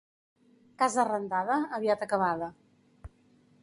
Casa arrendada, aviat acabada.